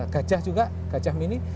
gajah juga gajah mini